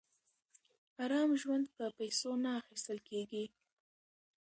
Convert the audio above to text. ارام ژوند په پیسو نه اخیستل کېږي.